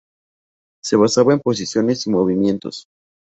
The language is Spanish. Se basaba en posiciones y movimientos.